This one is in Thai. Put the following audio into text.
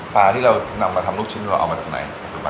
ที่เรานำมาทำลูกชิ้นเราเอามาจากไหน